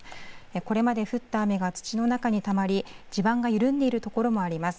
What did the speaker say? これまで降った雨が土の中にたまり、地盤が緩んでいる所もあります。